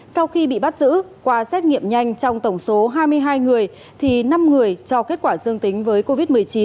sau khi bị bắt giữ qua xét nghiệm nhanh trong tổng số hai mươi hai người thì năm người cho kết quả dương tính với covid một mươi chín